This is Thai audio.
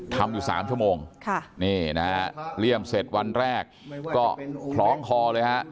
ทำอยู่สามชั่วโมงค่ะนี่นะฮะเสร็จวันแรกก็พร้องคอเลยฮะ